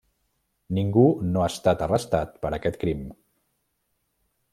Ningú no ha estat arrestat per aquest crim.